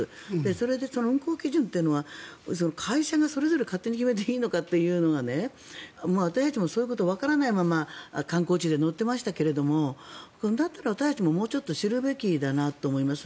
それで、運航基準というのは会社がそれぞれ勝手に決めていいのかというのが私たちもそういうことをわからないまま観光地で乗ってましたけれどもだったら、私たちももうちょっと知るべきだなと思います。